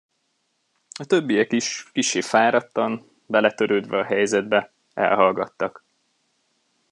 A többiek is, kissé fáradtan, beletörődve a helyzetbe, elhallgattak.